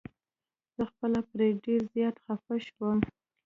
زه خپله پرې ډير زيات خفه شوم.